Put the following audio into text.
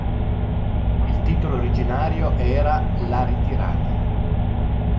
Il titolo originario era "La ritirata".